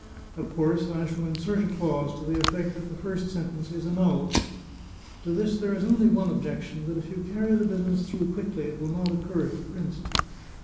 Of course I shall insert a clause to the effect that the first sentence is annulled. To this there is only one objection, but if you carry the business through quickly, it will not occur to the prince.